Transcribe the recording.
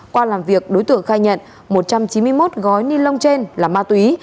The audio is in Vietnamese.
qua làm việc đối tượng khai nhận một trăm chín mươi một gói ni lông trên là ma túy